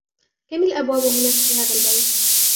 كم الأبواب هناك في هذا البيت ؟